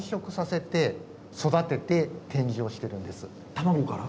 卵から？